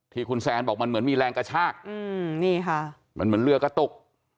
ที่คุณแซนบอกมันเหมือนมีแรงกระชากมันเหมือนเรือก็ตก